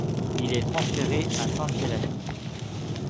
Il est transféré à Sainte-Pélagie.